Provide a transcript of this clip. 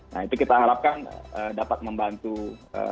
nah itu kita harapkan dapat membantu sepak bola kita